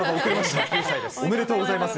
おめでとうございます。